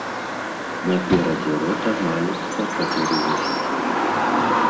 Наперадзе рота маюцца чатыры вусікі.